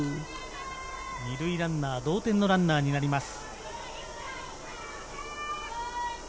２塁ランナー、同点のランナーになります。